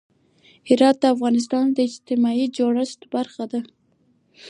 هرات د افغانستان د اجتماعي جوړښت برخه ده.